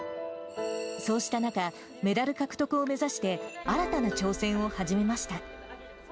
そうした中、メダル獲得を目指して、新たな挑戦を始めました。